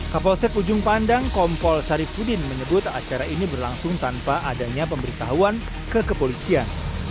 kapolsek ujung pandang kompol sarifudin menyebut acara ini berlangsung tanpa adanya pemberitahuan ke kepolisian